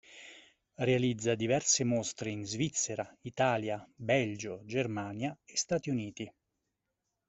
Realizza diverse mostre in Svizzera, Italia, Belgio, Germania, e Stati Uniti.